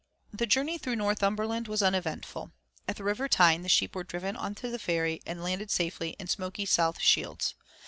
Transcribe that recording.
The journey through Northumberland was uneventful. At the River Tyne the sheep were driven on to the ferry and landed safely in smoky South Shields.